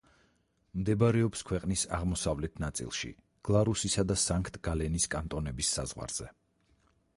მდებარეობს ქვეყნის აღმოსავლეთ ნაწილში, გლარუსისა და სანქტ-გალენის კანტონების საზღვარზე.